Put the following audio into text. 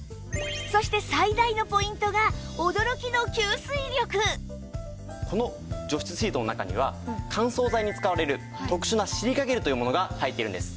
そして最大のポイントがこの除湿シートの中には乾燥剤に使われる特殊なシリカゲルというものが入っているんです。